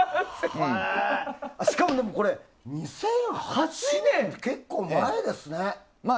しかも２００８年って結構前ですね。